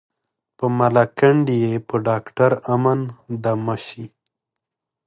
په ملاکنډ یې په ډاکټر امن دمه شي.